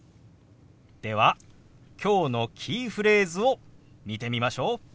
ではきょうのキーフレーズを見てみましょう。